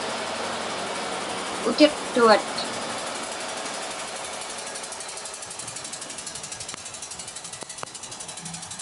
Utiqtuat.